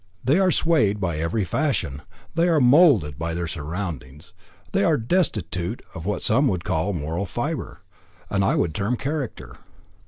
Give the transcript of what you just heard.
They are swayed by every fashion, they are moulded by their surroundings; they are destitute of what some would call moral fibre, and I would term character.